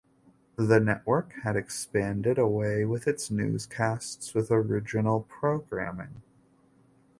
The network had expanded away with its newscasts with original programming.